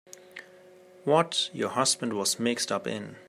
What your husband was mixed up in.